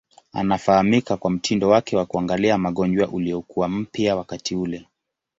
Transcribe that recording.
Anafahamika kwa mtindo wake wa kuangalia magonjwa uliokuwa mpya wakati ule.